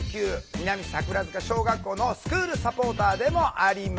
南桜塚小学校のスクールサポーターでもあります